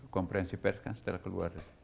konferensi pers kan setelah keluar